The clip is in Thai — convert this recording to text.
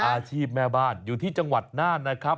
อาชีพแม่บ้านอยู่ที่จังหวัดน่านนะครับ